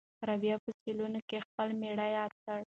رابعه په صالون کې خپله مېړه یادوي.